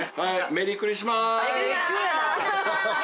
メリークリスマス！